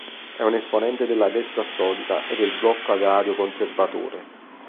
È un esponente della destra storica e del blocco agrario conservatore.